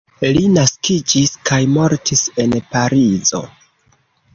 Li naskiĝis kaj mortis en Parizo.